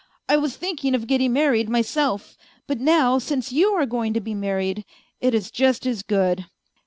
I was thinking of getting married myself; but now since you are going to be married, it is just as good